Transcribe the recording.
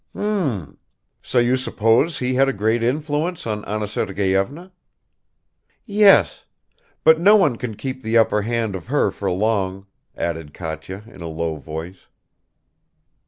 "Hm! So you suppose he had a great influence on Anna Sergeyevna?" "Yes. But no one can keep the upper hand of her for long," added Katya in a low voice.